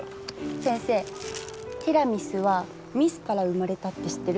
先生ティラミスはミスから生まれたって知ってる？